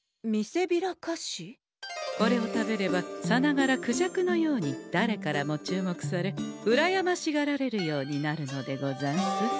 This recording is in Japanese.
これを食べればさながらクジャクのようにだれからも注目されうらやましがられるようになるのでござんす。